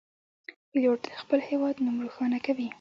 پیلوټ د خپل هیواد نوم روښانه کوي.